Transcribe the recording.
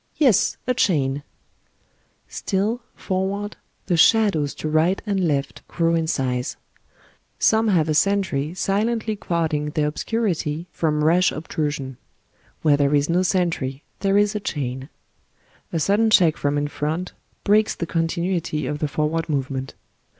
" Yes, a chain !" Still, forward, the shadows to right and left grow in size s some have a sentry silently guarding their obscurity from rash obtrusion ; where there is no sentry there is a chain. A sudden check from in front breaks the continuity of the forward movement.